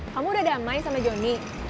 kamu udah damai sama johnny